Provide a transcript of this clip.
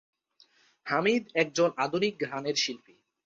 হামিদ একজন আধুনিক গানের শিল্পী।